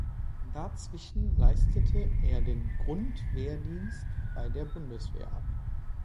Dazwischen leistete er den Grundwehrdienst bei der Bundeswehr ab.